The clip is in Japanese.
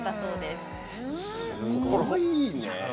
すごいね。